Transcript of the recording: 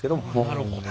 なるほど。